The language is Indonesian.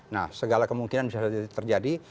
nah segala kemungkinan bisa terjadi